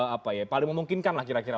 apa ya paling memungkinkan lah kira kira